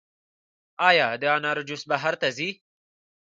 آیا د انارو جوس بهر ته ځي؟